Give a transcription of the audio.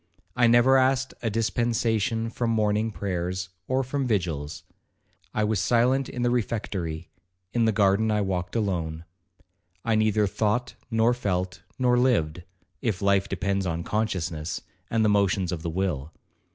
I never asked a dispensation from morning prayers, or from vigils. I was silent in the refectory,—in the garden I walked alone. I neither thought, nor felt, nor lived,—if life depends on consciousness, and the motions of the will.